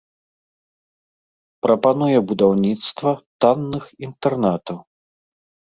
Прапануе будаўніцтва танных інтэрнатаў.